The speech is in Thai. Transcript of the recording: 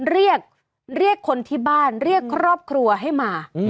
เรียกเรียกคนที่บ้านเรียกครอบครัวให้มา